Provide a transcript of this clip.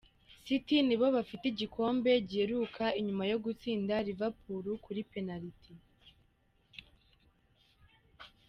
City ni bo bafise igikombe giheruka inyuma yo gutsinda Liverpool kuri penalty.